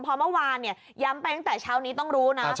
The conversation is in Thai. พอเมื่อวานย้ำไปตั้งแต่เช้านี้ต้องรู้นะ